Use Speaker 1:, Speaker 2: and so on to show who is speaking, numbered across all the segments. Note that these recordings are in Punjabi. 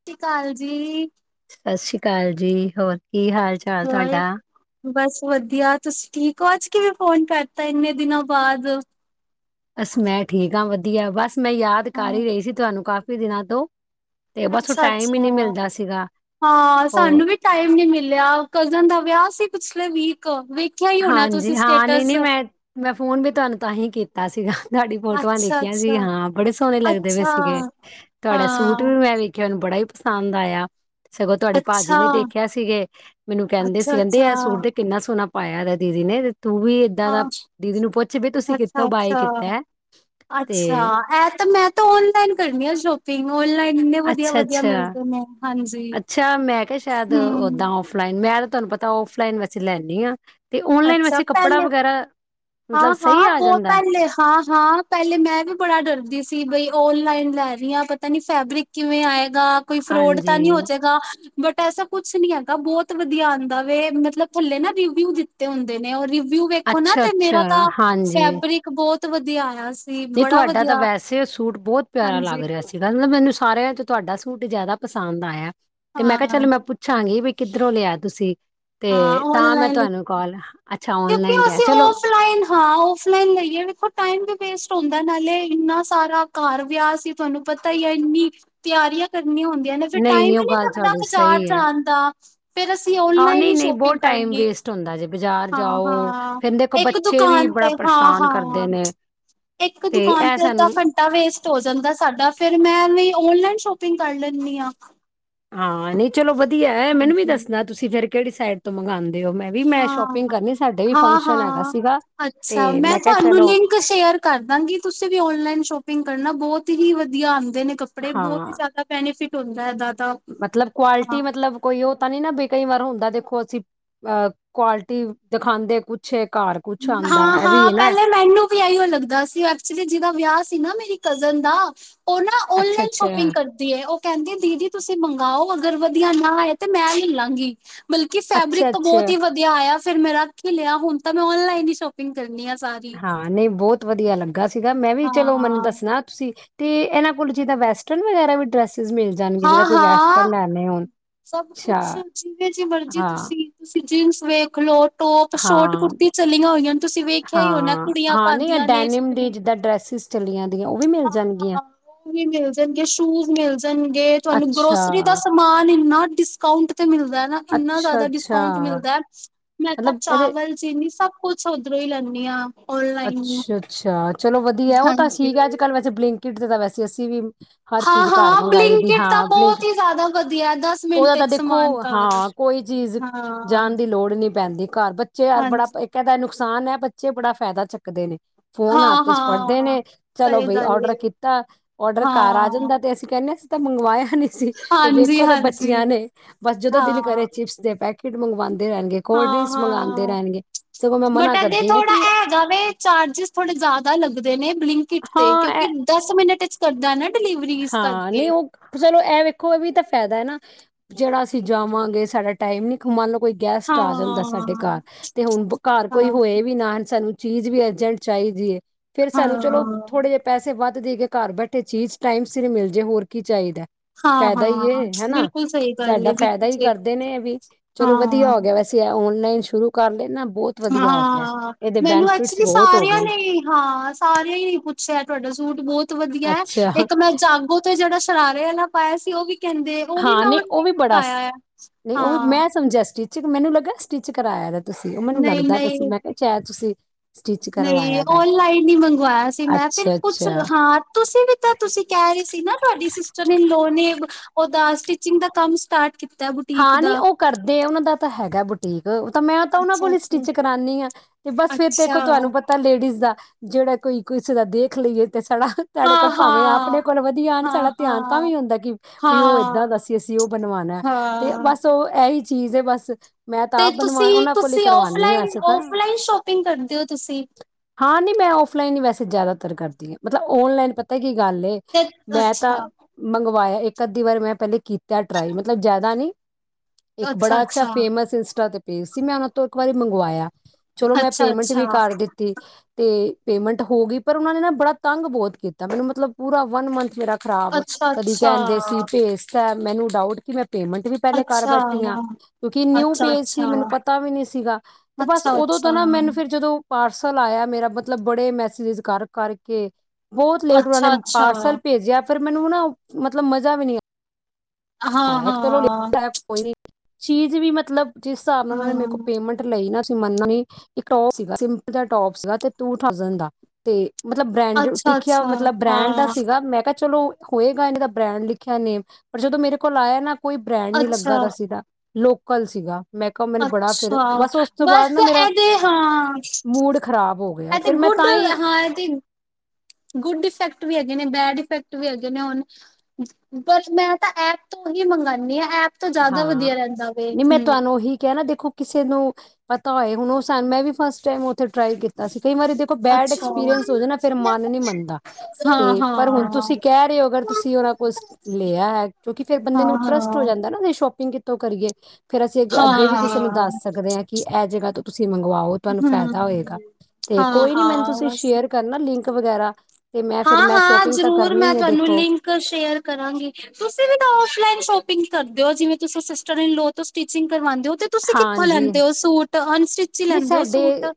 Speaker 1: ਸਤਿ ਸ਼੍ਰੀ ਅਕਾਲ ਜੀ।
Speaker 2: ਸਤਿ ਸ਼੍ਰੀ ਅਕਾਲ ਜੀ, ਹੋਰ ਕੀ ਹਾਲ ਚ
Speaker 1: ਹੋਰ। [unintelligible] ਬਸ ਵਦੀਆ, ਤੁਸੀਂ ਠੀਕ ਹੋ? ਅੱਜ ਕਿਵੇਂ ਫੋਨ ਕਰਤਾ ਇੰਨੇ ਦਿਨਾਂ ਬਾਅਦ।
Speaker 2: ਬਸ ਮੈਂ ਠੀਕ ਹਾਂ, ਵਦੀਆ। ਬਸ ਮੈਂ ਯਾਦ ਕਰ
Speaker 1: ਹਾਂ
Speaker 2: ਈ ਰਹੀ ਸੀ ਤਵਾਨੂੰ, ਕਾਫ਼ੀ ਦਿਨਾਂ ਤੋਂ। ਤੇ ਬਸ ਓ
Speaker 1: ਅੱਛਾ
Speaker 2: ਟਾਈਮ ਈ
Speaker 1: ਅੱਛਾ
Speaker 2: ਨਹੀਂ ਮਿਲਦਾ ਸੀਗਾ।
Speaker 1: ਹਾਂ
Speaker 2: ਹੋਰ?
Speaker 1: ਸਾਨੂੰ ਵੀ ਟਾਈਮ ਨੀ ਮਿਲਯਾ। ਕਜ਼ਨ ਦਾ ਵਿਆਹ ਸੀ ਪਿਛਲੇ ਵੀਕ। ਵੀ
Speaker 2: ਹਾਂਜੀ, ਹਾਂ। ਨਈ-ਨਈ, ਮੈਂ, ਮੈਂ ਫੋਨ ਤੇ ਤੁਹਾਨੂੰ ਤਾਂਹੀ ਕੀਤਾ ਤਾਂ ਸੀਗਾ, ਤੁਹਾਡੀ ਫੋਟੋਆਂ
Speaker 1: ਅੱਛਾ
Speaker 2: ਦੇਖੀਆਂ ਸੀ, ਹਾਂ, ਬੜੇ ਸੋਹਣੇ
Speaker 1: ਅੱਛਾ
Speaker 2: ਲੱਗਦੇ ਪਏ
Speaker 1: ਅੱਛਾ
Speaker 2: ਸੀਗੇ। ਤੁਵਾਡਾ ਸੂਟ
Speaker 1: ਹਾਂ
Speaker 2: ਵੀ ਮੈਂ ਵੇਖਿਆ ਮੈਨੂੰ ਬੜਾ ਹੀ ਪਸੰਦ ਆਇਆ। ਸਗੋਂ ਤੁਵਾਡੇ ਭਾਜੀ
Speaker 1: ਅੱਛਾ
Speaker 2: ਨੇ ਦੇਖਿਆ ਸੀਗੇ ਮੈਨੂੰ ਕੈਂਦੇ
Speaker 1: ਅੱਛਾ
Speaker 2: ਸੀ ਕੈਂਦੇ
Speaker 1: ਅੱਛਾ
Speaker 2: ਐਹ ਸੂਟ ਦੇਖ ਕਿੰਨਾ ਸੋਹਣਾ। ਪਾਇਆ ਤੇ ਦੀਦੀ ਨੇ ਤੇ ਤੂੰ ਵੀ ਏਦਾਂ ਦਾ
Speaker 1: ਹਾਂ,
Speaker 2: ਦੀਦੀ ਨੂੰ ਪੁੱਛ ਵੀ ਤੁਸੀਂ ਕਿੱਥੋਂ ਬਾਏ
Speaker 1: ਅੱਛਾ-ਅੱਛਾ,
Speaker 2: ਕੀਤਾ ਹੈ,
Speaker 1: ਅੱਛਾ
Speaker 2: ਤੇ
Speaker 1: ਏਹ ਤਾਂ ਮੈਂ ਤਾਂ ਓਨਲਾਈਨ ਕਰਨੀ ਆ ਸ਼ੋਪ ਤੇ ਓਨਲਾਈਨ ਇੰਨੇ ਵਧੀਆ-ਵਧੀਆ
Speaker 2: ਅੱਛਾ-ਅੱਛਾ,
Speaker 1: ਮਿਲਦੇ ਨੇ। ਹਾਂਜੀ, ਹੂੰ
Speaker 2: ਨ ਮੈਂ ਤਾਂ ਤੁਵਾਨ ਪਤਾ ਓਫਲਾਈਨ ਵੈਸੇ ਲੈਂਨੀ ਆ ਤੇ ਓਨਲਾਈਨ
Speaker 1: ਅੱਛਾ
Speaker 2: ਵੈਸੇ ਕੱਪੜਾ
Speaker 1: ਪਹਿਲੇ
Speaker 2: ਵਗੈਰਾ ਮਤਲਬ ਸਹੀ
Speaker 1: ਹਾਂ-ਹਾਂ,
Speaker 2: ਆ ਜਾਂਦਾ?
Speaker 1: ਬੋਹਤਾ
Speaker 2: ਹੈ?
Speaker 1: ਲਿਹਾਜ਼ ਹਾਂ, ਪੈਲੇ ਮੈਂ ਵੀ ਬੜਾ ਡਰਦੀ ਸੀ ਬਈ ਔਨਲਾਈਨ ਲੈ ਰਹੀ ਹਾਂ ਪਤਾ ਨੀ ਫੈਬਰਿਕ ਕਿਵੇਂ ਆਏਗਾ, ਕੋਈ ਫਰੋਡ ਤਾਂ
Speaker 2: ਹਾਂਜੀ,
Speaker 1: ਨਹੀਂ ਹੋ ਜਾਏਗਾ ਬਟ ਐਸਾ ਕੁਛ ਨੀ ਹੈਗਾ, ਬੋਤ ਵਧੀਆ ਆਂਦਾ ਵੇ, ਮਤਲਬ ਥੱਲੇ ਨਾ ਰਿਵਿਊ ਦਿੱਤੇ ਹੁੰਦੇ ਨੇ। ਓ ਰਿਵਿਊ ਵਿਊ ਵੇਖੋ ਨਾ ਤੇ
Speaker 2: ਅੱਛਾ-ਅੱਛਾ,
Speaker 1: ਮੇਰਾ ਤਾਂ
Speaker 2: ਹਾਂਜੀ
Speaker 1: ਫੈਬਰਿਕ ਬੋਤ ਵਧੀਆ ਆਇਆ ਸੀ
Speaker 2: ਨਇ,
Speaker 1: ਬੜਾ
Speaker 2: ਤਵਾਡਾ ਤਾਂ
Speaker 1: ਵਧੀਆ
Speaker 2: ਵੈਸੇ ਓ ਸੂਟ ਬੋਤ ਪਿਆਰਾ ਲੱਗ
Speaker 1: ਹਾਂਜੀ
Speaker 2: ਰਿਹਾ ਸੀ। ਮਤਲਬ ਮੈਨੂੰ ਸਾਰਿਆਂ ਚੋਂ ਤਵਾਡਾ ਸੂਟ ਜਿਆਦਾ ਪਸੰਦ ਆਇਆ ਤੇ ਮੈਂ ਕਿਹਾ
Speaker 1: ਹਾਂ
Speaker 2: ਚਲ ਮੈਂ ਪੁੱ- ਛਾਂਗੀ ਵੀ ਕਿੱਧਰੋਂ ਲਿਆ ਤੁਸੀਂ ਤੇ
Speaker 1: ਹਾਂ
Speaker 2: ਤਾਂ ਮੈਂ
Speaker 1: ਓਨਲਾਈਨ
Speaker 2: ਤੁਹਾਨੂੰ- ਕਾਲ ਅੱਛਾ ਔਨਲਾਈਨ ਲਿਆ ਚਲੋ
Speaker 1: ਲਾ ਹਾਂ ਫਲਾਈਨ ਲਈਏ ਵੇਖੋ ਟਾਈਮ ਵੀ ਵੇਸਟ ਹੁੰਦਾ ਨਾਲੇ ਏਨਾ ਸਾਰਾ- ਘਰ ਵੇਆ ਸੀ ਤੁਆਨੂੰ ਪਤਾ ਈ ਆ ਏਨੀ ਤਿਆਰੀਆਂ ਕਰਨੀਆਂ ਹੁੰਦੀਆਂ ਨੇ ਫੇਰ ਟਾਈਮ
Speaker 2: ਨਹੀਂ-ਨਹੀਂ
Speaker 1: ਈ
Speaker 2: ਉਹ
Speaker 1: ਨੀ
Speaker 2: ਗੱਲ
Speaker 1: ਲੱਗਦਾ
Speaker 2: ਤੁਹਾਡੀ
Speaker 1: ਬਜ਼ਾਰ
Speaker 2: ਸਹੀ ਐ।
Speaker 1: ਜਾਣ ਦਾ ਫੇਰ ਅਸ
Speaker 2: ਹਾਂ
Speaker 1: ਔਨਲਾਈਨ
Speaker 2: ਨਹੀਂ
Speaker 1: ਈ
Speaker 2: ਨਹੀਂ ਬਹੁਤ
Speaker 1: ਸ਼ੋਪਿੰਗ
Speaker 2: ਟਾਈਮ
Speaker 1: ਕਰਲੀ
Speaker 2: ਵੇਸਟ ਹੁੰਦਾ ਜੇ ਬਾਜ਼ਾਰ ਜਾਓ
Speaker 1: ਹਾਂ-ਹਾਂ
Speaker 2: ਫੇਰ ਦੇਖੋ
Speaker 1: ਏਕ
Speaker 2: ਬੱਚੇ ਵੀ
Speaker 1: ਦੁਕਾਨ
Speaker 2: ਬੜਾ
Speaker 1: ਤੇ
Speaker 2: ਪਰੇਸ਼ਾਨ ਕਰਦੇ
Speaker 1: ਹਾਂ-ਹਾਂ
Speaker 2: ਨੇ
Speaker 1: ਏਕ ਦੁਕਾਨ
Speaker 2: ਇਹ
Speaker 1: ਤੇ ਅਧਾ
Speaker 2: ਸਾਨੂੰ
Speaker 1: ਘੰ ਟਾ ਵੇਸਟ ਹੋ ਜਾਂਦਾ ਸਾਡਾ ਫੇਰ ਮੈਂ ਐਂਵੇ ਓਨਲਾਈਨ ਸ਼ੋਪਿੰਗ ਕਰ ਲੈਂਨੀ ਆਂ।
Speaker 2: ਹਾਂ ਨਈ ਚਲੋ ਵਧੀਆ ਮੈਨੂੰ ਵੀ
Speaker 1: ਹਾਂਜੀ
Speaker 2: ਦੱਸਣਾ ਤੁਸੀਂ ਫੇਰ ਕੇੜੀ ਸਾਈਡ ਤੋਂ ਮੰਗਵਾਦੇ ਓ ਮੈਂ ਵੀ ਮੈਂ
Speaker 1: ਹਾਂ
Speaker 2: ਸ਼ੋਪਿੰਗ ਕਰਨੀ ਸਾਡੇ ਵੀ ਫੰਕਸ਼ਨ ਹੈਗਾ
Speaker 1: ਹਾਂ-ਹਾਂ,
Speaker 2: ਸੀਗਾ,
Speaker 1: ਅੱਛਾ
Speaker 2: ਤੇ ਮੈਂ ਕੇੲ
Speaker 1: ਤੁਹਾਨੂੰ
Speaker 2: ਚਲੋ
Speaker 1: ਲਿੰਕ ਸ਼ੇਅਰ ਕਰ ਦਾਂਗੀ ਤੁਸੀਂ ਵੀ ਔਨਲਾਈਨ ਸ਼ੋਪਿੰਗ ਕਰਨਾ ਬੋਤ ਈ ਵਧੀਆ ਆਦੇ ਨੇ ਕਪ ਕੱਪੜੇ
Speaker 2: ਹਾਂ
Speaker 1: ਬੋਤ ਹੀ ਜਾਦਾ ਬੈਨੀਫਿਟ ਹੁੰਦਾ ਏਦਾਂ ਤਾਂ,
Speaker 2: ਮਤਲਬ
Speaker 1: ਹਾਂ।
Speaker 2: ਕੁਆਲਿਟੀ ਮਤਲਬ ਕੋਈ ਓ ਤਾਂ ਨੀ ਨਾ ਵੀ ਕਈ ਵਾਰ ਹੁੰਦਾ ਦੇਖੋ ਅਸੀਂ ਅ ਕੁਆਲਿਟੀ ਦਖਾਦੇ ਕੁਛ ਘਰ ਕੁਛ ਆਉਂਦਾ ਇਹ ਵੀ
Speaker 1: ਹਾਂ-ਹਾਂ
Speaker 2: ਹੈ ਨਾ
Speaker 1: ਪੈਲੇ ਮੈਨੂੰ ਵੀ ਆਈਓ ਲੱਗਦਾ ਸੀ ਐਕਚੁਲੀ ਜੀਦਾ ਵੇਆ ਸੀ ਨਾ ਮੇਰੀ ਕਜ਼ਨ ਦਾ ਓ ਨਾ
Speaker 2: ਅੱਛਾ
Speaker 1: ਔਨਲਾਈਨ
Speaker 2: ਅੱਛਾ
Speaker 1: ਸ਼ੋਪਿੰਗ ਕਰ ਦੀ ਓ ਕੈਦੀ ਦੀਦੀ ਤੁਸੀਂ ਮੰਗਓ ਅਗਰ ਵਧੀਆ ਨਾ ਆਏ ਤੇ ਮੈਂ ਲੇਲਾਂਗੀ ਬਲਕੀ ਫੈਬਰਿਕ
Speaker 2: ਅੱਛਾ
Speaker 1: ਤੋਂ
Speaker 2: ਅੱਛਾ
Speaker 1: ਬੋਤ ਈ ਵਧੀਆ ਆਏਆ ਫੇਰ ਮੈ ਰਖ ਈ ਲੇਆ ਹੁਣ ਤਾਂ ਮੈਂ ਔਨਲਾਈਨ ਹੀ ਸ਼ੋਪਿੰਗ ਕਰਨੀ ਆ ਸਾਰ
Speaker 2: ਹਾਂ ਨਈ ਬੋਤ ਵਧੀਆ ਲੱਗਾ ਸੀਗਾ ਮੈਂ ਵੀ ਚਲੋ ਮੈਨੂੰ
Speaker 1: ਹਾਂ,
Speaker 2: ਦੱਸਣਾ ਸੀ ਤੇ ਏਨਾਂ ਕੋਲ ਜਿੱਦਾਂ ਵੈਸਟਨ ਵਗੈਰਾ ਵੀ ਡਰੈਸਿਸ ਮਿਲ ਜਾਣਗੇ ਜਿਹੜਾ ਕੋਈ ਵੈਸਟਰਨ
Speaker 1: ਹਾਂ-ਹਾਂ
Speaker 2: ਲੈਣੇ ਹੋਣ
Speaker 1: ਸਭ
Speaker 2: ਅੱਛਾ
Speaker 1: ਕੁਛ ਜੇਵੇਂ ਜੀ ਮਰਜ਼ੀ
Speaker 2: ਹਾਂ
Speaker 1: ਤੁਸੀਂ ਤੁਸੀਂ ਜੀਨਸ ਵੇਖ ਲੋ ਟੋਪ ਸ਼ੋਟ
Speaker 2: ਹਾਂ
Speaker 1: ਕੁੜਤੀ ਚਲੀਆਂ ਹੋਈਆਂ ਨੇ ਤੁਸੀਂ ਵੇਖਿਆ ਈ ਹੋਣਾ
Speaker 2: ਹਾਂ
Speaker 1: ਕੁੜੀਆਂ
Speaker 2: ਹਾਂ ਨਹੀਂ ਇਹ
Speaker 1: ਪਾਉਦੀਆਂ ਨੇ
Speaker 2: ਡੈਨਿਮ ਦੀ
Speaker 1: ਜੇਵੇਂ
Speaker 2: ਜਿੱਦਾਂ ਡਰੈਸਿਸ ਚੱਲੀਆਂ ਦੀਆਂ ਓ ਵੀ ਮਿਲ ਜਾਣਗੀਆਂ?
Speaker 1: ਵੀ ਮਿਲ ਜਾਣਗੇ ਸ਼ੂਜ ਮੇਲ ਜਾਣਗੇ ਤੁਆਨੂੰ
Speaker 2: ਅੱਛਾ
Speaker 1: ਗਰੋਸਰੀ ਦਾ ਸਾ ਮਾਲ ਏਨਾ ਡਿਸਕਾਊਂਟ ਤੇ ਮੇਲਦਾ ਨਾ ਏਨਾ
Speaker 2: ਅੱਛਾ
Speaker 1: ਜਾਦਾ
Speaker 2: ਅੱਛਾ
Speaker 1: ਡਿਸਕਾਊਂਟ ਮਿਲਦਾ ਐ ਮੈਂ ਤਾਂ
Speaker 2: ਮਤਲਬ ਇਹਦੇ
Speaker 1: ਚਾਵਲ ਚੀਨੀ ਸਭ ਕੁਛ ਓਦਰੋਂ ਈ ਲੈਂਨੀ ਆਂ ਓਨਲਾਈਨ ਈ।
Speaker 2: ਛਾ ਚਲੋ ਵਧੀਆ ਓ ਤਾਂ ਠੀਕ ਆ ਅੱਜ-ਕੱਲ ਵੈਸੇ ਬਲਕਟ ਦੇ ਤਾਂ ਵੈਸੇ ਅਸੀਂ ਵੀ ਹਰ ਚੀਜ਼ ਘਰ
Speaker 1: ਹਾਂ-ਹਾਂ
Speaker 2: ਮੰਗਾਈ ਦੀ ਆ
Speaker 1: ਬਲਿੰਕਟ ਤਾਂ
Speaker 2: ਬਲੀ
Speaker 1: ਬਹੁਤ ਹੀ ਜ਼ਿਆਦਾ ਵਧੀਆ ਦਸ
Speaker 2: ਓਦਾ
Speaker 1: ਮਿੰਟ
Speaker 2: ਤਾਂ
Speaker 1: ਇੱਕ
Speaker 2: ਦੇਖੋ
Speaker 1: ਸਮਾਨ
Speaker 2: ਹਾ
Speaker 1: ਘਰ
Speaker 2: ਕੋਈ ਚੀਜ਼,
Speaker 1: ਹਾਂ
Speaker 2: ਜਾਣ ਦੀ ਲੋੜ ਈ ਨੀ ਪੈਂਦੀ ਘਰ ਬੱਚੇ ਅਫਨਾ
Speaker 1: ਹਾਂਜੀ
Speaker 2: ਏ ਧਾਡਾ ਨੁਕਸਾਨ ਆ ਬੱਚੇ ਬੜਾ ਫੈਦਾ ਚੁੱਕਦੇ ਨੇ। ਫੋਨ ਹੱਥ ਚ ਫੜਦੇ
Speaker 1: ਹਾਂ-ਹਾਂ,
Speaker 2: ਨੇ ਚਲੋ
Speaker 1: ਸਹੀ
Speaker 2: ਬਈ
Speaker 1: ਗੱਲ
Speaker 2: ਔਡਰ
Speaker 1: ਏ।
Speaker 2: ਕੀਤਾ ਔਡਰ ਘਰ ਆ
Speaker 1: ਹਾਂ,
Speaker 2: ਜਾਂਦਾ ਤੇ ਅਸ ਕੈਨੇ ਅਸੀਂ ਤਾਂ ਮੰਗਵਾਏਆ ਨੀ ਸੀ ਤੇ ਵੇਖੋ ਤਾਂ
Speaker 1: ਹਾਂਜੀ-ਹਾਂਜੀ,
Speaker 2: ਬੱਚੀਆਂ ਨੇ ਬਸ ਜਦੋਂ ਦੀਲ
Speaker 1: ਹਾਂ,
Speaker 2: ਕਰੇ ਚੀਪਸ ਦੇ ਪੈਕੇਟ ਮੰਗਵਾਦੇ ਰੈਣਗੇ ਕੋਡੀਸ ਮੰਗਵਾਂਦੇ
Speaker 1: ਹਾਂ-ਹਾਂ।
Speaker 2: ਰੋਣਗੇ ਸਗੋਂ ਮੈਂ ਮਨਾ ਕਰਦੀ ਆਂ ਕੀ
Speaker 1: ਜਾਵੇ ਚਾਰਜਿਸ ਥੋੜੇ ਜਾਦਾ ਲੱਗਦੇ ਨੇ ਬਲੀਕੀਟ ਤੇ
Speaker 2: ਹਾਂ
Speaker 1: ਕਿਉਂਕੇ
Speaker 2: ਇਹ
Speaker 1: ਦਸ ਮਿੰਟ ਚ ਕਰਦਾ ਨਾ ਡਿਲੀਵਰੀ ਇਸ
Speaker 2: ਹਾਂ
Speaker 1: ਕਰਕੇ
Speaker 2: ਨਈ ਓ ਚਲੋ ਐ ਵੇਖੋ ਏਵੀ ਤਾਂ ਫ਼ਾਇਦਾ ਐ ਨਾ, ਜੇੜਾ ਅਸੀਂ ਜਾਵਾਂਗੇ ਸਾਡਾ ਟਾਈਮ ਨੀ ਮੰਨ ਲਓ ਕੋਈ ਗੈਸਟ
Speaker 1: ਹਾਂ,
Speaker 2: ਆ ਜਾਂਦਾ ਸਾਡੇ ਘਰ ਤੇ ਹੁਣ ਘਰ ਕੋਈ
Speaker 1: ਹਾਂ,
Speaker 2: ਹੋਏ ਵੀ ਨਾ ਸਾਨੂੰ ਚੀਜ਼ ਵੀ ਅਰਜੰਟ ਚਾਈਦੀ ਐ, ਫੇਰ ਸਾਨੂੰ ਚਲੋ,
Speaker 1: ਹਾਂ।
Speaker 2: ਥੋੜੇ ਜੇਹ ਪੈਸੇ ਵੱਧ ਦੇ ਗਏ ਘਰ ਬੈਠੇ ਚੀਜ਼ ਟਾਈਮ ਸੀਰ ਮਿਲ ਜੇ ਹੋਰ ਕੀ ਚਾਈਦਾ ਫੈਦਾ ਈ
Speaker 1: ਹਾਂ-ਹਾਂ,
Speaker 2: ਐ ਹਨਾ,
Speaker 1: ਬਿਲਕੁਲ ਸਹੀ ਗੱਲ
Speaker 2: ਸਾਡਾ
Speaker 1: ਏ,
Speaker 2: ਫੈਦਾ
Speaker 1: ਬਿਲਕੁਲ
Speaker 2: ਹੀ
Speaker 1: ਸਹੀ ਗੱਲ
Speaker 2: ਕਰਦੇ
Speaker 1: ਏ,
Speaker 2: ਨੇ ਵੀ, ਚਲੋ ਵਧੀਆ
Speaker 1: ਹਾਂ।
Speaker 2: ਹੋ ਗੇਆ ਵੈਸ ਗੇਆ ਔਨਲਾਈਨ ਸ਼ੁਰੂ ਕਰ ਲੈਣਾ ਬੋਤ
Speaker 1: ਹਾਂ ਮੈਨੂੰ ਅਕਚਲੀ
Speaker 2: ਬਹੁਤ ਹੋ
Speaker 1: ਸਾਰੇਆਂ
Speaker 2: ਗਏ
Speaker 1: ਨੇ ਹਾਂ ਸਾਰਿਆਂ ਨੇ ਈ ਪੁੱਛਿਆ ਤੁਹਾਡਾ ਸੂਟ ਬੋਤ ਵਧੀਆ ਐ,
Speaker 2: ਅੱਛਾ
Speaker 1: ਇੱਕ ਮੈਂ ਜਾਗੋ ਤੇ ਜਿਹੜਾ ਸ਼ਰਾਰੇ ਨਾਲ ਪਾਇਆ ਸੀ ਉਹ ਵੀ ਕਹਿੰਦੇ ਉਹ ਵੀ
Speaker 2: ਹਾਂ
Speaker 1: ਮੈਂ
Speaker 2: ਨੀ ਉਹ
Speaker 1: ਔਨਲਾਈਨ
Speaker 2: ਵੀ ਬੜਾ ਸ
Speaker 1: ਮੰਗਾਇਆ ਆ।
Speaker 2: -ਨੀ ਉਹ ਵੀ
Speaker 1: ਹਾਂ
Speaker 2: ਮੈਂ ਸਮਜੈਸਟੀ- ਜਿਵੇ ਮੈਨੂੰ ਲੱਗਾ ਸਟਿਚ ਕਰਾਇਆ ਵੇ ਤੁਸੀਂ ਉਹ ਮੈਨੂੰ
Speaker 1: ਨਹੀਂ
Speaker 2: ਲੱਗਦਾ ਪੇ ਸੀ ਮੈਂ ਕਿਹਾ ਸੈਦ ਤੁਸੀਂ ਸਟਿਚ
Speaker 1: ਨਈ
Speaker 2: ਕਰਵਾਇਆ ਦਾ
Speaker 1: ਓਨਲਾਈਨ ਹੀ ਮੰਗਵਾਇਆ ਸੀ ਮੈਂ ਫਿਰ
Speaker 2: ਅੱਛਾ
Speaker 1: ਕੁਛ
Speaker 2: ਅੱਛਾ
Speaker 1: ਹਾਂ, ਤੁਸੀਂ ਵੀ ਤਾਂ ਤੁਸੀਂ ਕਹਿ ਰਹੇ ਸੀ ਨਾ ਤੁਹਾਡੀ ਸਿਸਟਰ ਨੇ ਇਨਲੋ ਨੇ- ਉਹਦਾ ਸਟਿਚਿੰਗ ਦਾ ਕੰਮ ਸਟਾਰਟ ਕੀਤਾ ਬੂ
Speaker 2: ਹਾਂ ਨੀ ਉਹ ਕਰਦੇ ਉਹਨਾਂ ਦਾ ਤਾਂ ਹੈਗਾ ਬੁਟ ਟੀਕ ਉਹ ਤਾਂ ਮੈਂ ਤਾਂ ਉਹਨਾਂ
Speaker 1: ਅੱਛਾ
Speaker 2: ਕੋਲ ਈ
Speaker 1: ਅੱਛਾ
Speaker 2: ਸਟਿਚ ਕਰਾ ਨੀ ਆ, ਤੇ ਬਸ ਫੇਰ
Speaker 1: ਅੱਛਾ
Speaker 2: ਦੇਖੋ ਤੁਹਾਨੂੰ ਪਤਾ- ਤਾਂ ਲੇਡੀਜ਼ ਦਾ ਜਿਹੜਾ ਕੋਈ ਕਿਸੇ ਦਾ ਦੇਖ ਲਈਏ- ਤੇ ਸਾਡਾ-ਸਾਡੇ ਕੋਲ
Speaker 1: ਹਾਂ
Speaker 2: ਭਾਵੇਂ
Speaker 1: ਹਾਂ
Speaker 2: ਆਪਣੇ ਕੋਲ ਵਧੀਆ ਅਨ
Speaker 1: ਹਾਂ
Speaker 2: ਸਾਡਾ ਧਿਆਨ ਤਾਂ
Speaker 1: ਹਾਂ
Speaker 2: ਵੀ ਹੁੰਦਾ ਕੀ ਵੀ ਉਹ
Speaker 1: ਹਾਂ
Speaker 2: ਏਦਾਂ ਦਾ ਸੀ ਅਸੀਂ ਉਹ ਬਣਵਾਣਾ ਐ।
Speaker 1: ਹਾਂ
Speaker 2: ਤੋ ਇਹੀ ਚੀਜ਼ ਏ ਬਸ। ਮੈਂ ਤਾਂ
Speaker 1: ਤੇ
Speaker 2: ਆਪ ਬਣਵਾ
Speaker 1: ਤੁਸੀਂ
Speaker 2: ਉਹਨਾਂ ਕੋਲ ਹੀ
Speaker 1: ਤੁਸੀਂ
Speaker 2: ਕਰਵਾਨੀਆ
Speaker 1: ਔਫਲਾਈਨ
Speaker 2: ਵੈਸੇ ਤਾਂ-
Speaker 1: ਔਫਲਾਈਨ ਸ਼ੋਪਿੰਗ ਕਰਦੇ ਹੋ ਤੁਸੀਂ
Speaker 2: ਹਾਂ ਨੀ ਮੈਂ ਔਫਲਾਈਨ ਹੀ ਵੈਸੇ ਜ਼ਿਆਦਾਤਰ ਕਰਦੀ ਹਾਂ ਮਤਲਬ ਔਨਲਾਈਨ ਪਤਾ ਕੀ ਗੱਲ ਏ-
Speaker 1: ਤੇ
Speaker 2: ਮੈਂ ਤਾਂ,
Speaker 1: ਅੱਛਾ
Speaker 2: ਮੰਗਵਾਇਆ ਇੱਕ -ਅੱਧੀ ਵਾਰੀ ਮੈਂ ਪਹਿਲੇ ਕੀਤਾ ਟਰਾਈ ਮਤਲਬ ਜਿਆਦਾ ਨੀ- ਇੱਕ ਬੜਾ ਅੱਛਾ ਫੇਮਸ ਇੰਸਟਾ ਤੇ ਪੇਜ ਸੀ ਮੈਂ ਉਹਨਾਂ ਤੋਂ ਇੱਕ ਵਾਰੀ ਮੰਗਵਾਇਆ- ਚਲੋ ਮੈਂ
Speaker 1: ਅੱਛਾ
Speaker 2: ਪੇਮੈਂਟ ਵੀ ਕਰ ਦਿੱਤੀ। ਤੇ ਪੇਮੈਂਟ ਹੋ ਗਈ ਪਰ ਉਹ ਨੇ ਨਾ ਬੜਾ ਤੰਗ ਬਹੁਤ ਕੀਤਾ ਮੈਨੂੰ ਮਤਲਬ ਪੂਰਾ ਵਨ ਮੰਥ ਚ ਮੇਰਾ- ਖ਼ਰਾਬ,
Speaker 1: ਅੱਛਾ
Speaker 2: ਕਦੀ
Speaker 1: ਅੱਛਾ
Speaker 2: ਕਹਿੰਦੇ ਸੀ ਭੇਸਤੈ ਮੈਨੂੰ ਡਾਊਟ ਕਿ ਮੈਂ ਪੇਮੈਂਟ ਵੀ ਪਹਿਲੇ ਕਰ
Speaker 1: ਅੱਛਾ
Speaker 2: ਬੈਠੀ ਆਂ ਕਿਉਂਕਿ ਨਿਊ
Speaker 1: ਅੱਛਾ ਅੱਛਾ
Speaker 2: ਪੇਜ ਸੀ ਮੈਨੂੰ ਪਤਾ ਵੀ ਨੀ ਸੀਗਾ, ਤੇ ਬਸ
Speaker 1: ਅੱਛਾ ਅੱਛਾ ਅੱਛਾ
Speaker 2: ਉਦੋਂ ਤੋਂ ਨਾ ਮੈਨੂੰ ਫਿਰ ਜਦੋਂ- ਪਾਰਸਲ ਆਇਆ ਮੇਰਾ ਮਤਲਬ ਬੜੇ ਮੈਸੇਜ ਕਰ-ਕਰਕੇ- ਬਹੁਤ ਲੇਟ ਉਹ ਨੇ
Speaker 1: ਅੱਛਾ ਅੱਛਾ
Speaker 2: ਪਾਰਸਲ ਭੇਜਿਆ ਫੇਰ ਮੈਨੂੰ ਨਾ, ਮਤਲਬ ਮਜ਼ਾ ਵੀ ਨੀ
Speaker 1: ਹਾਂ
Speaker 2: ਆਇਆ, ਚਲੋ
Speaker 1: ਹਾਂ
Speaker 2: ਕੋਈ ਨੀ, ਚੀਜ਼ ਵੀ ਮਤਲਬ ਜਿਸ ਹਿਸਾਬ ਨਾਲ ਉਹਨਾਂ ਨੇ ਮੇਰੇ ਕੋਲ
Speaker 1: ਹਮ
Speaker 2: ਪੇਮੈਂਟ- ਲਈ ਨਾ ਤੁਸੀਂ ਮੰਨੋ ਗੇ, ਇੱਕ ਟੋਪ ਸੀਗਾ ਸਿੰਪਲ ਦਾ ਟੋਪ ਸੀਗਾ ਤੇ ਟੂ ਥਾਜੂਟ ਦਾ- ਤੇ ਮਤਲਬ ਬ੍ਰੈਂਡੀਡ
Speaker 1: ਅੱਛਾ
Speaker 2: ਦੇਖਿਆ
Speaker 1: ਅੱਛਾ
Speaker 2: ਮਤਲਬ ਬ੍ਰੈਂਡ ਦਾ
Speaker 1: ਹਾਂ
Speaker 2: ਸੀਗਾ ਮੈਂ ਕਿਆ ਚਲੋ- ਹੋਏਗਾ ਇਹਨ ਦਾ ਬ੍ਰੈਂਡ ਲਿਖਿਆ ਨੇਮ, ਪਰ ਜਦੋਂ ਮੇਰੇ ਕੋਲ ਆਇਆ ਨਾ ਕੋਈ ਬ੍ਰੈਂਡ ਨੀ ਲੱਗਾ
Speaker 1: ਅੱਛਾ
Speaker 2: ਦੱਸ ਸੀਦਾ- ਲੋਕਲ ਸੀਗਾ। ਮੈਂ ਕਿਹਾ ਮੈਨੂੰ ਬੜਾ ਫਿਰ
Speaker 1: ਅੱਛਾ
Speaker 2: ਬਸ ਉਸ ਤੋਂ
Speaker 1: ਬਸ
Speaker 2: ਬਾਅਦ ਨਾ ਮੇਰਾ
Speaker 1: ਐਹ ਦੀ ਹਾਂ-
Speaker 2: ਮੂਡ ਖ਼ਰਾਬ ਹੋ ਗਿਆ
Speaker 1: ਐਹ ਦੀ
Speaker 2: ਫਿਰ ਮੈਂ
Speaker 1: ਗੁੱਡ
Speaker 2: ਤਾਂ ਹੀ
Speaker 1: ਹਾਂ ਐਦੀ- ਗੁੱਡ ਇਫੈਕਟ ਵੀ ਹੈਗੇ ਨੇ ਬੈਡ ਇਫੈਕਟ ਵੀ ਹੈਗੇ ਨੇ ਹੁਣ ਬਸ ਮੈਂ ਤਾਂ ਐਪ ਤੋਂ ਹੀ ਮੰਗਾ ਨੀਆ ਐਪ- ਤੋਂ ਜ਼ਿਆਦਾ
Speaker 2: ਹਾਂ
Speaker 1: ਵਧੀਆ ਰਹਿੰਦਾ ਵੇ
Speaker 2: ਨੀ ਮੈਂ
Speaker 1: ਹੂੰ।
Speaker 2: ਤੁਹਾਨੂੰ ਉਹੀ ਕਹਿਣਾ ਦੇਖੋ- ਕਿਸੇ ਨੂੰ, ਪਤਾ ਹੋਏ ਹੁਣ ਉਹ ਸਾਨੂੰ ਮੈਂ ਵੀ ਫਸਟ ਟਾਈਮ- ਟ੍ਰਈ ਕੀਤਾ ਸੀ, ਕਈ ਵਾਰੀ ਦੇਖੋ
Speaker 1: ਹਾਂ
Speaker 2: ਬੈਡ ਐਕਸਪੀਰੀਸ ਹੋ ਜਾ ਨਾ ਫਿਰ ਮਨ ਨਹੀਂ ਮੰਨਦਾ। ਤੇ
Speaker 1: ਹਾਂ
Speaker 2: ਪਰ ਹੁਣ ਤੁਸੀਂ ਕਹਿ ਰਹੇ ਹੋ ਅਗਰ ਤੁਸੀਂ ਉਹਨਾਂ ਕੋਲ- ਲਿਆ ਹੈ, ਕਿਉਂਕਿ ਫੇਰ ਬੰਦੇ
Speaker 1: ਹਾਂ
Speaker 2: ਨੂੰ ਟਸਟ ਹੋ
Speaker 1: ਹਾਂ।
Speaker 2: ਜਾਂਦਾ ਨਾ। ਫੇਰ ਸ਼ੋਪਿੰਗ ਕਿਤੋਂ ਕਰੀਏ ਫੇਰ ਅਸੀਂ ਅੱ -ਅੱਗੇ ਵੀ ਕਿਸੇ ਨੂੰ
Speaker 1: ਹਾਂ
Speaker 2: ਦੱਸ ਸਕਦੇ ਹਾਂ ਕਿ ਇਹ ਜਗ੍ਹਾ ਤੋਂ- ਤੁਸੀਂ ਮੰਗਵਾਓ ਤੁਹਾਨੂੰ ਫਾਇਦਾ ਹੋਏਗਾ,
Speaker 1: ਹੂੰ
Speaker 2: ਤੇ
Speaker 1: ਹਾਂ
Speaker 2: ਕੋਈ ਨੀ
Speaker 1: ਹਾਂ
Speaker 2: ਮੈਨੂੰ ਤੁਸੀਂ
Speaker 1: ਬਸ
Speaker 2: ਸ਼ੇਅਰ ਕਰਨਾ ਲਿੰਕ ਵਗੈਰਾ- ਤੇ ਮੈਂ ਫੇਰ ਮੈਂ ਸ਼ੋਪਿੰਗ ਤਾਂ ਕਰਨੀ ਐ, ਦੇਖੋ-
Speaker 1: ਕੱਲ ਸੇ਼ਅਰ ਕਰਾਂਗੀ। ਤੁਸੀਂ ਵੀ ਤਾਂ ਓਫਲਾਈਨ ਸ਼ੋਪਿੰਗ ਕਰਦੇ ਓ ਜਿਵੇਂ ਤੁਸੀਂ ਸਿਸਟਰ ਇਣ ਲੋ ਤੋਂ ਸਟਿਚਿੰਗ ਕਰਵਾਉਂਦੇ ਓ ਤੇ ਤੁਸੀਂ ਕਿੱਥੋਂ ਲੈਂਦੇ ਹੋ ਸੂਟ ਅਨਸਟਿਚ ਹੀ
Speaker 2: ਨੀ
Speaker 1: ਲੈਂਦੇ ਹੋ ਸੂਟ
Speaker 2: ਸਾਡੇ,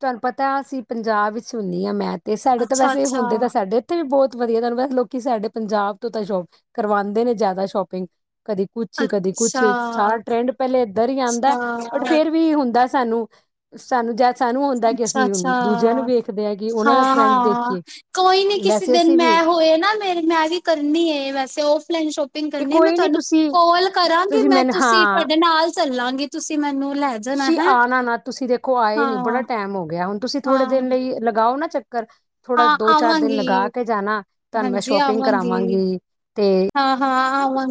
Speaker 2: ਤਾਨੂੰ ਪਤਾ ਅਸੀਂ ਪੰਜਾਬ ਵਿੱਚ ਹੁੰਦੀ ਹਾਂ ਮੈਂ ਇਸ ਸਾਲ ਦੇ
Speaker 1: ਅੱਛਾ
Speaker 2: ਵੈਸੇ
Speaker 1: ਅੱਛਾ
Speaker 2: ਹੁੰਦੇ ਤਾਂ ਸਾਡੇ ਤੇ ਬਹੁਤ ਵਧੀਆ ਗੱਲ ਐ ਲੋਕੀ ਸਾਡੇ ਪੰਜਾਬ ਤੋਂ ਤਾਂ ਸ਼ੋਪ ਕਰਵਾਦੇ ਨੇ ਜ਼ਿਆਦਾ ਸ਼ੋਪਿੰਗ ਕਦੀ ਕੁਛ ਕਦੇ ਕੁਛ
Speaker 1: ਅੱਛਾ
Speaker 2: ਸਾਰਾ ਟਰੈਂਡ ਪਹਿਲੇ ਇੱਧਰ ਹੀ ਆਦਾ ਬਟ
Speaker 1: ਅੱਛਾ
Speaker 2: ਫੇਰ ਵੀ ਹੁੰਦਾ ਸਾਨੂੰ ਸਾਨੂੰ ਜੇ ਸਾਨੂੰ ਹੁੰਦਾ ਕਿ
Speaker 1: ਅੱਛਾ
Speaker 2: ਅਸੀਂ ਦੂਜਿਆਂ
Speaker 1: ਅੱਛਾ
Speaker 2: ਨੂੰ ਵੇਖਦੇ ਆ ਕਿ ਉਹਨਾਂ ਦਾ
Speaker 1: ਹਾਂ
Speaker 2: ਟਰੈਂਡ
Speaker 1: ਹਾਂ
Speaker 2: ਦੇਖੀਏ।
Speaker 1: ਕੋਈ ਨੀ ਕਿਸੇ
Speaker 2: ਵੈਸੇ
Speaker 1: ਦਿਨ
Speaker 2: ਅਸੀਂ ਵੀ
Speaker 1: ਮੈਂ ਹੋਏ ਨਾ ਮੇ ਮੈਂ ਵੀ ਕਰਨੀ ਐ ਵੈਸੇ ਔਫਲਾਈਨ ਸ਼ੋਪਿੰਗ ਸੋਪਿੰਗ
Speaker 2: ਇਹ
Speaker 1: ਕਰਨੀ ਮੈਂ
Speaker 2: ਕੋਈ ਨੀ
Speaker 1: ਤੁਹਾਨੂੰ,
Speaker 2: ਤੁਸੀਂ
Speaker 1: ਕੋਲ ਕਰਾਂਗੀ
Speaker 2: ਤੁਸੀਂ
Speaker 1: ਮੈਂ
Speaker 2: ਮੈਨੂੰ
Speaker 1: ਤੁਸੀਂ
Speaker 2: ਹਾਂ
Speaker 1: ਤੁਹਾਡੇ ਨਾਲ ਚੱਲਾਂਗੀ ਤੁਸੀਂ ਮੈਨੂੰ ਲੈ ਜਾਣਾ
Speaker 2: ਤੁਸੀਂ
Speaker 1: ਹੈ
Speaker 2: ਆਣਾ ਨਾ ਤੁਸੀਂ ਦੇਖੋ ਆਏ ਨੀ
Speaker 1: ਹਾਂ
Speaker 2: ਬੜਾ ਟੈਮ ਹੋ ਗਿਆ ਹੁਣ ਤੁਸੀਂ ਥੋੜੇ
Speaker 1: ਹਾਂ
Speaker 2: ਦਿਨ ਲਈ ਲਗਾਓ ਨਾ ਚੱਕਰ, ਥੋੜਾ
Speaker 1: ਹਾਂ
Speaker 2: ਦੋ ਚਾਰ ਦਿਨ
Speaker 1: ਆਵਾਂਗੀ
Speaker 2: ਲਗਾ ਕੇ ਜਾਨਾ, ਤੁਹਾਨੂੰ ਮੈਂ ਸ਼ੋਪਿੰਗ ਕਰਾਵਾਂਗੀ। ਤੇ
Speaker 1: ਹਾਂ-ਹਾਂ ਆਵਾ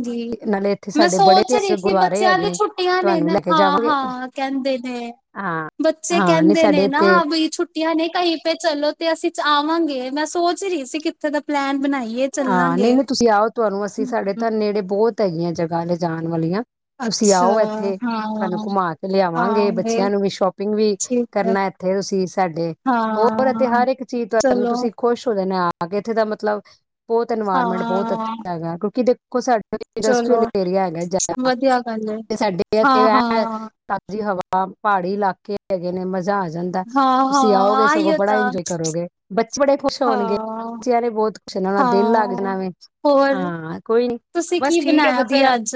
Speaker 2: ਨਾਲੇ ਇੱਥੇ
Speaker 1: ਮੈਂ
Speaker 2: ਸਾਡੇ ਬੜੇ
Speaker 1: ਸੋਚ ਰਹੀ
Speaker 2: ਇਤਿਹਾਸਿਕ
Speaker 1: ਸੀ
Speaker 2: ਗੁਰਦੁਆਰੇ
Speaker 1: ਬੱਚਿਆਂ
Speaker 2: ਹੈਗੇ
Speaker 1: ਦੀ
Speaker 2: ਨੇ
Speaker 1: ਛੁੱਟੀਆਂ ਨੇ
Speaker 2: ਤੁਹਾਨੂੰ ਲੈ ਕੇ ਜਾਵਾਂਗੇ
Speaker 1: ਹਾਂ-ਹਾਂ ਕਹਿੰਦੇ ਨੇ
Speaker 2: ਹਾਂ
Speaker 1: ਬੱਚੇ
Speaker 2: ਹਾਂ ਨਹੀਂ
Speaker 1: ਕਹਿੰਦੇ
Speaker 2: ਸਾਡੇ
Speaker 1: ਨੇ
Speaker 2: ਇੱਥੇ
Speaker 1: ਨਾ ਵੀ ਛੁੱ ਨੇ ਕਹੀ ਪੇ ਚਲੋ ਤੇ ਅਸੀਂ ਆਵਾਂਗੇ ਮੈਂ ਸੋਚ ਰਹੀ ਸੀ ਕਿੱਥੇ ਦਾ ਪਲੈਨ ਬਣਾਈਏ
Speaker 2: ਹਾਂ
Speaker 1: ਚੱਲਾਂਗੇ
Speaker 2: ਨਈ-ਨਈ ਤੁਸੀਂ ਆਓ ਤੁਹਾਨੂੰ ਅਸੀਂ ਸਾਡੇ
Speaker 1: ਹਮ
Speaker 2: ਤਾਂ ਨੇੜੇ ਬੋਤ ਹੈਗੀਆਂ ਜਗ੍ਹਾ ਲਿਜਾਣ ਵਾਲੀਆਂ ਤੁਸੀਂ
Speaker 1: ਅੱਛਾ
Speaker 2: ਆਓ ਇੱਥੇ,
Speaker 1: ਹਾਂ,
Speaker 2: ਤੁਹਾਨੂੰ ਘੁਮਾ ਕੇ ਲਿਆਵਾਂਗੇ
Speaker 1: ਆਵਾਂਗੇ
Speaker 2: ਬੱਚਿਆਂ ਨੂੰ ਵੀ ਸ਼ੋਪਿੰਗ ਵੀ
Speaker 1: ਠੀਕ ਹੈ
Speaker 2: ਕਰਨਾ ਇੱਥੇ ਤੁਸੀਂ ਸਾਡੇ, ਹੋਰ ਇੱਥੇ
Speaker 1: ਹਾਂ।
Speaker 2: ਹਰ ਇੱਕ ਚੀਜ਼ ਤੁਹਾਨੂੰ
Speaker 1: ਚਲੋ
Speaker 2: ਤੁਸੀਂ ਖੁਸ਼ ਹੋ ਜਾਣਾ ਆ ਕੇ ਇੱਥੇ ਦਾ ਮਤਲਬ, ਬੋਤ ਇਨਵਾਇਰਮੈਂਟ ਬਹੁਤ
Speaker 1: ਹਾਂ,
Speaker 2: ਅੱਛਾ ਹੈਗਾ ਕਿਉਂਕਿ ਦੇ ਦੇਖੋ ਸਾਡਾ
Speaker 1: ਚਲੋ
Speaker 2: ਇੰਡਸਟਰੀਅਲ ਏਰੀਆ ਹੈਗਾ ਜ਼ਿਆਦਾ,
Speaker 1: ਵਧੀਆ ਗੱਲ ਏ
Speaker 2: ਤੇ ਸਾਡੇ ਇਥੇ
Speaker 1: ਹਾਂ, ਹਾਂ।
Speaker 2: ਤਾਜ਼ੀ ਹਵਾ ਪਹਾੜੀ ਇਲਾਕੇ ਹੈਗੇ ਨੇ ਮਜ਼ਾ ਆ ਜਾਂਦਾ
Speaker 1: ਹਾਂ,
Speaker 2: ਤੁਸੀਂ
Speaker 1: ਹਾਂ
Speaker 2: ਆਓਗੇ ਸਗੋਂ
Speaker 1: ਆਈਓ
Speaker 2: ਬੜਾ
Speaker 1: ਤਾਂ
Speaker 2: ਇੰਜੋਏ ਕਰੋਗੇ ਬੱਚੇ ਬੜੇ ਖੁਸ਼ ਹੋਣਗੇ,
Speaker 1: ਹਾਂ,
Speaker 2: ਬੱਚਿਆਂ ਨੇ ਬਹੁਤ ਨਾਲ ਦਿਲ ਲੱਗ
Speaker 1: ਹਾਂ।
Speaker 2: ਜਾਣਾ ਵੇ,
Speaker 1: ਹੋਰ
Speaker 2: ਹਾਂ ਕੋਈ ਨੀ
Speaker 1: ਤੁਸੀਂ
Speaker 2: ਬਸ
Speaker 1: ਕੀ
Speaker 2: ਠੀਕ ਐ
Speaker 1: ਬਣਾਇਆ ਫੇਰ
Speaker 2: ਵਧੀਆ
Speaker 1: ਅੱਜ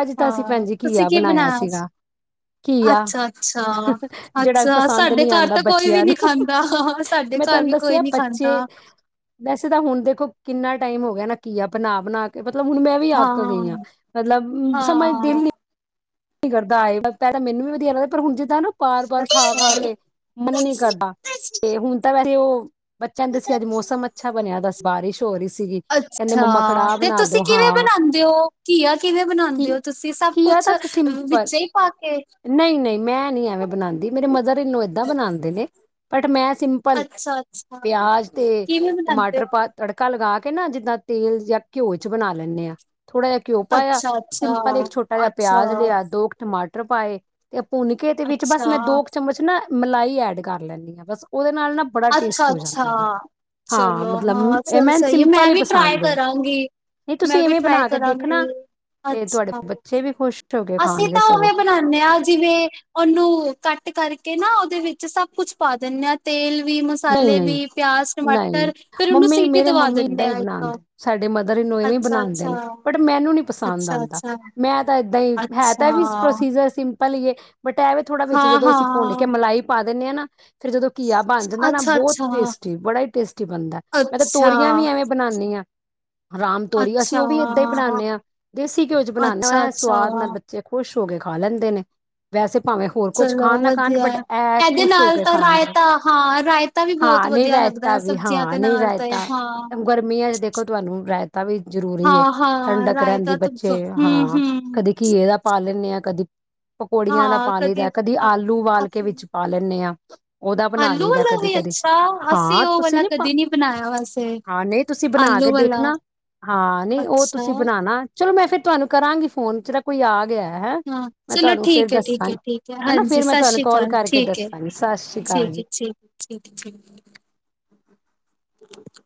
Speaker 2: ਅੱਜ ਤਾਂ ਅਸੀਂ ਭੈਣ
Speaker 1: ਹਾਂ
Speaker 2: ਜੀ
Speaker 1: ਤੁਸੀਂ
Speaker 2: ਘੀਆ
Speaker 1: ਕੀ ਬਣਾਇਆ ਅੱਜ?
Speaker 2: ਸੀਗਾ ਘੀਆ ਜਿਹੜਾ
Speaker 1: ਅੱਛਾ-ਅੱਛਾ-ਅੱਛਾ
Speaker 2: ਪਸੰਦ
Speaker 1: ਸਾਡੇ
Speaker 2: ਨਹੀਂ
Speaker 1: ਘਰ
Speaker 2: ਆਉਂਦਾ
Speaker 1: ਤਾਂ ਕੋਈ ਵੀ
Speaker 2: ਬੱਚਿਆਂ
Speaker 1: ਨੀ
Speaker 2: ਨੂੰ
Speaker 1: ਖਾਂਦਾ
Speaker 2: ਮੈਂ
Speaker 1: ਘਰ
Speaker 2: ਤੁਹਾਨੂੰ
Speaker 1: ਵੀ ਕੋਈ
Speaker 2: ਦੱਸਿਆ
Speaker 1: ਨੀ
Speaker 2: ਬੱਚੇ
Speaker 1: ਖਾਂਦਾ
Speaker 2: ਵੈਸੇ ਤਾਂ ਹੁਣ ਦੇਖੋ ਕਿੰਨਾ ਟਾਈਮ ਹੋ ਗਿਆ ਨਾ ਘੀਆ ਬਣਾ-ਬਣਾ ਕੇ ਤੇ ਮਤਲਬ ਹੁਣ ਮੈਂ ਵੀ ਅੱਕ ਗਈ ਆ,
Speaker 1: ਹਾਂ,
Speaker 2: ਮਤਲਬ ਸਮਝ ਦਿਲ ਨ
Speaker 1: ਹਾਂ
Speaker 2: ਨੀ ਕਰਦਾ ਆਏ ਪੈ ਤਾਂ ਮੈਨੂੰ ਵੀ ਵਧੀਆ ਲੱਗਦਾ ਪਰ ਹੁਣ ਜਿੱਦਾਂ ਨਾ ਬਾਰ-ਬਾਰ ਖਾ ਖਾ ਕੇ, ਮਨ ਨੀ ਕਰਦਾ
Speaker 1: ਅੱਛਾ।
Speaker 2: ਤੇ ਹੁਣ ਤਾਂ ਵੇਸੇ ਉਹ ਬਚਿਆਂ ਨੂੰ ਦੱਸਿਆ ਅੱਜ ਮੌਸਮ ਅੱਛਾ ਬਣਿਆ ਦਾ ਬਾਰਿਸ਼ ਹੋ ਰਹੀ ਸੀਗੀ ਕਹਿੰਦੇ
Speaker 1: ਅੱਛਾ
Speaker 2: ਮੰਮਾ ਕੜਾਹ
Speaker 1: ਤੇ
Speaker 2: ਬਣਾ
Speaker 1: ਤੁਸੀਂ
Speaker 2: ਦੋ
Speaker 1: ਕਿਵੇਂ
Speaker 2: ਹਾਂ
Speaker 1: ਬਣਾਦੇ ਹੋ ਘੀਆ ਕਿਵੇਂ ਬਣਾਦੇ
Speaker 2: ਕੀ
Speaker 1: ਔ ਤੁਸੀਂ ਸਭ
Speaker 2: ਘੀਆ
Speaker 1: ਕੁਛ
Speaker 2: ਤਾਂ ਅਸੀਂ ਸਿੰਪਲ,
Speaker 1: ਵਿੱਚ ਹੀ ਪਾ ਕੇ
Speaker 2: ਨਈ ਨਈ ਨਈ ਮੈਂ ਨੀ ਐਵੇਂ ਬਣਾਦੀ ਮੇਰੇ ਮਦਰ ਇਨ ਲੋ ਏਦਾਂ ਬਣਾਦੇ ਨੇ ‌‌ ‍‌‍‌ ਬਟ ਮੈਂ ਸਿੰਪਲ,
Speaker 1: ਅੱਛਾ ਅੱਛਾ
Speaker 2: ਪਿਆਜ ਤੇ
Speaker 1: ਕਿਵੇਂ ਬਣਾਉਂਦੇ
Speaker 2: ਟਮਾਟਰ
Speaker 1: ਹੋ
Speaker 2: ਪਾ ਤੜਕਾ ਲਗਾ ਕੇ ਨਾ ਜਿੱਦਾਂ ਤੇਲ ਜਾਂ ਘਿਓ ਚ ਬਣਾ ਲੈਂਨੇ ਆ ਥੋੜਾ ਜਿਹਾ ਘਿਓ ਪਾਇਆ,
Speaker 1: ਅੱਛਾ ਅੱਛਾ
Speaker 2: ਸਿੰਪਲ ਇੱਕ ਛੋਟਾ ਜਿਹਾ
Speaker 1: ਅੱਛਾ
Speaker 2: ਪਿਆਜ ਲਿਆ ਦੋ ਕੁ ਟਮਾਟਰ ਪਾਏ ਤੇ ਭੁੰਨ ਕੇ ਦੇ ਵਿੱਚ ਬਸ ਮੈਂ
Speaker 1: ਅੱਛਾ
Speaker 2: ਦੋ ਚਮਚ ਨਾ ਮਲਾਈ ਐਡ ਕਰ ਲੈਂਣੀ ਆ ਬਸ ਉਹਦੇ ਨਾਲ ਨਾ ਬੜਾ ਟੇਸਟ ਹੋ
Speaker 1: ਅੱਛਾ-ਅੱਛਾ
Speaker 2: ਜਾਂਦਾ ਜੀ ਹਾਂ
Speaker 1: ਚਲੋ
Speaker 2: ਮਤਲਬ
Speaker 1: ਹਾਂ
Speaker 2: ਇਹ
Speaker 1: ਚੱਲ ਸਈ ਐ ਮੈਂ
Speaker 2: ਸਿੰਪਲ ਹੀ
Speaker 1: ਵੀ ਟਰਾਈ
Speaker 2: ਪਸੰਦ ਹੈ
Speaker 1: ਕਰਾਂਗੀ
Speaker 2: ਨਹੀਂ
Speaker 1: ਮੈਂ
Speaker 2: ਤੁਸੀਂ
Speaker 1: ਵੀ
Speaker 2: ਐਵੇਂ
Speaker 1: ਟਰਾਈ
Speaker 2: ਬਣਾ ਕੇ ਦੇਖਣਾ
Speaker 1: ਕਰਾਂਗੀ,
Speaker 2: ਤੇ ਤੁਹਾਡੇ
Speaker 1: ਅੱਛਾ
Speaker 2: ਬੱਚੇ ਵੀ ਖੁਸ਼ ਹੋ ਕੇ
Speaker 1: ਅਸੀਂ
Speaker 2: ਖਾਣਗੇ
Speaker 1: ਤਾਂ
Speaker 2: ਸਗੋਂ
Speaker 1: ਉਵੇ ਬਣਾਨੇ ਆ ਜਿਵੇਂ, ਉਹਨੂੰ ਕੱਟ ਕਰਕੇ ਨਾ ਉਹਦੇ ਵਿੱਚ ਸਭ ਕੁਛ ਪਾ ਦਿੰਨੇ ਆ ਤੇਲ ਵੀ
Speaker 2: ਨਹੀਂ
Speaker 1: ਮਸਾਲੇ
Speaker 2: ਨਹੀਂ
Speaker 1: ਵੀ ਪਿਆਜ ਟਮਾਟਰ
Speaker 2: ਨਹੀਂ
Speaker 1: ਫੇਰ ਉਹਨੂੰ
Speaker 2: ਮੰਮੀ
Speaker 1: ਸੀਟੀ
Speaker 2: ਮੇਰੇ
Speaker 1: ਦਵਾ
Speaker 2: ਮੰਮੀ ਏਦਾਂ
Speaker 1: ਦਿੰਨੇ
Speaker 2: ਹੀ
Speaker 1: ਆ ਇੱਕ
Speaker 2: ਬਣਾਉਂਦੇ ਸਾਡੇ ਮਦਰ ਇਣਲੋ ਇਵੇਂ ਬਣਾਦੇ
Speaker 1: ਅੱਛਾ-ਅੱਛਾ,
Speaker 2: ਨੇ ਬਟ ਮੈਨੂੰ ਨੀ ਪਸੰਦ ਆਦਾ
Speaker 1: ਅੱਛਾ-ਅੱਛਾ,
Speaker 2: ਮੈਂ ਤਾਂ ਏਦਾਂ ਹੀ ਹੈ
Speaker 1: ਅੱਛਾ
Speaker 2: ਤਾਂ ਐਵੀ ਪ੍ਰੋਸੀਜਰ ਪਾ ਲਈਏ ਬਟ ਇਹ ਵੀ ਥੋੜਾ ਵਿੱਚ ਜਦੋਂ ਅਸੀਂ ਭੁੰਨ ਕੇ
Speaker 1: ਹਾਂ-ਹਾਂ,
Speaker 2: ਮਲਾਈ ਪਾ ਦਿੰਨੇ ਆ ਨਾ ਫੇਰ ਜਦੋਂ ਘੀਆ ਬਣ ਜਾਂਦਾ ਨਾ ਬਹੁਤ
Speaker 1: ਅੱਛਾ-ਅੱਛਾ,
Speaker 2: ਟੇਸਟੀ ਬੜਾ ਈ ਟੇਸਟੀ ਬਣਦਾ ਮੈਂ ਤਾਂ
Speaker 1: ਅੱਛਾ,
Speaker 2: ਤੋਰੀਆਂ ਵੀ ਐਵੇਂ ਬਣਾਨੀ ਆ ਰਾਮ ਤੋਰੀ ਅਸੀਂ
Speaker 1: ਅੱਛਾ,
Speaker 2: ਉਹ ਵੀ ਏਦਾਂ ਹੀ ਬਣਾਨੇ ਆ ਦੇਸੀ ਘਿਓ ਚ ਬਣਾਨੇ ਆ ਐ
Speaker 1: ਅੱਛਾ-ਅੱਛਾ
Speaker 2: ਸਵਾਦ ਨਾਲ ਬੱਚੇ ਖੁਸ਼ ਹੋ ਕੇ ਖਾ ਲੈਂਦੇ ਨੇ ਵੈਸੇ ਭਾਵੇਂ ਹੋਰ ਕੁਛ
Speaker 1: ਚਲੋ
Speaker 2: ਖਾਣ ਨਾ ਖਾਣ,
Speaker 1: ਵਧੀਆ
Speaker 2: ਬਟ ਇਹ
Speaker 1: ਇਹਦੇ
Speaker 2: ਖੁਸ਼ ਹੋ
Speaker 1: ਨਾਲ
Speaker 2: ਕੇ
Speaker 1: ਤਾਂ
Speaker 2: ਖਾਣ ਦੇ
Speaker 1: ਰਾਇਤਾ ਹਾਂ ਰਾਏ
Speaker 2: ਹਾਂ, ਨਈ ਰਾਇਤਾ ਵੀ ਹਾਂ, ਨਹੀਂ
Speaker 1: ਨਾਲ ਤੇ
Speaker 2: ਰਾਇਤਾ,
Speaker 1: ਹਾਂ।
Speaker 2: ਗਰਮੀਆਂ ਚ ਦੇਖੋ ਤੁਹਾਨੂੰ ਰਾਇ ਤਾਂ ਵੀ ਜਰੂਰੀ ਐ,
Speaker 1: ਹਾਂ ਹਾਂ
Speaker 2: ਠੰਡਕ ਰਹਿੰਦੀ
Speaker 1: ਰਾਇਤਾ ਤਾਂ
Speaker 2: ਬੱਚੇ,
Speaker 1: ਹੂੰ
Speaker 2: ਹਾਂ
Speaker 1: ਹੂੰ
Speaker 2: ਕਦੀ ਘੀਏ ਦਾ ਪਾ ਲੈਂਨੇ ਆ, ਕਦੀ ਪਕੌੜੀਆਂ ਦਾ
Speaker 1: ਹਾਂ
Speaker 2: ਪਾ ਲਈ ਦਾ, ਕਦੀ
Speaker 1: ਹਾਂ
Speaker 2: ਆਲੂ ਉਬਾਲ ਕੇ
Speaker 1: ਅਸੀਂ
Speaker 2: ਵਿੱਚ ਪਾ ਲੈਨੇ ਆ, ਉਹਦਾ ਬਣਾ
Speaker 1: ਆਲੂ
Speaker 2: ਲਈਦਾ,
Speaker 1: ਵਾਲਾ ਵੀ
Speaker 2: ਕਦੇ-ਕਦੇ
Speaker 1: ਅੱਛਾ ਅਸੀਂ
Speaker 2: ਹਾਂ,
Speaker 1: ਉਹ
Speaker 2: ਤੁਸੀਂ
Speaker 1: ਵਾਲਾ
Speaker 2: ਨੀ ਪ,
Speaker 1: ਕਦੇ ਨਹੀਂ ਬਣਾਇਆ ਵੈਸੇ
Speaker 2: ਹਾਂ ਨਈ ਤੁਸੀਂ ਬਣਾ
Speaker 1: ਆਲੂ
Speaker 2: ਕੇ
Speaker 1: ਵਾਲਾ
Speaker 2: ਦੇਖਨਾ ਆ, ਹਾਂ ਨਈ, ਉਹ
Speaker 1: ਅੱਛਾ
Speaker 2: ਤੁਸੀਂ ਬਣਾਨਾ। ਚਲੋਂ ਮੈਂ ਫੇ ਤੁਹਾਨੂੰ ਕਰਾਂਗੀ ਫੋਨ, ਜਰਾ ਕੋਈ ਆ ਗਿਆ। ਹੈ,
Speaker 1: ਹਾਂ
Speaker 2: ਮੈਂ
Speaker 1: ਚਲੋ
Speaker 2: ਤੁਹਾਨੂੰ ਫੇਰ
Speaker 1: ਠੀਕ ਹੈ ਠੀਕ ਹੈ
Speaker 2: ਦੱਸਾਂਗੀ
Speaker 1: ਠੀਕ ਹੈ
Speaker 2: ਹੈਨਾ,
Speaker 1: ਹਾਂਜੀ
Speaker 2: ਫਿਰ ਮੈਂ
Speaker 1: ਸਤਿ
Speaker 2: ਤੁਹਾਨੂੰ
Speaker 1: ਸ਼੍ਰੀ
Speaker 2: ਕਾਲ
Speaker 1: ਅਕਾਲ
Speaker 2: ਕਰਕੇ
Speaker 1: ਠੀਕ ਹੈ
Speaker 2: ਦੱਸਾਂਗੀ, ਸਤਿ ਸ੍ਰੀ ਅਕਾਲ
Speaker 1: ਠੀਕ
Speaker 2: ਜੀ।
Speaker 1: ਹੈ ਠੀਕ -ਠੀਕ, ਠੀਕ।